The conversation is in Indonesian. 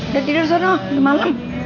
udah tidur sono udah malem